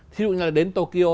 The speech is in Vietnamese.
thí dụ như là đến tokyo